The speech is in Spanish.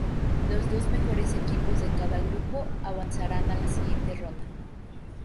Los dos mejores equipos de cada grupo avanzarán a la siguiente ronda.